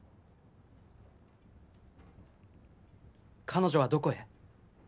彼女はどこへ？